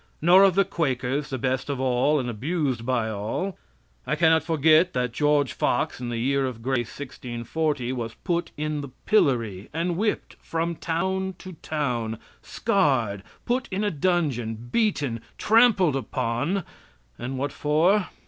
Nor of the Quakers, the best of all, and abused by all. I can not forget that George Fox, in the year of grace 1640, was put in the pillory and whipped from town to town, scarred, put in a dungeon, beaten, trampled upon, and what for?